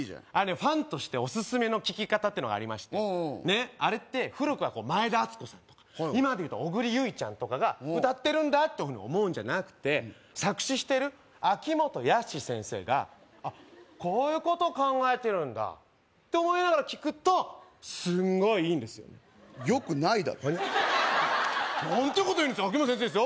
ファンとしてオススメの聴き方っていうのがありましてあれって古くは前田敦子さんとか今でいうと小栗有以ちゃんとかが歌ってるんだっていうふうに思うんじゃなくて作詞してる秋元康先生があこういうこと考えてるんだって思いながら聴くとすんごいいいんですよねよくないだろはやっ何てこというんです秋元先生ですよ